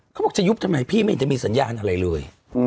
เขาบอกจะยุบทำไมพี่ไม่เห็นจะมีสัญญาณอะไรเลย